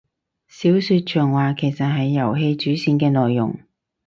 小說長話其實就係遊戲主線嘅內容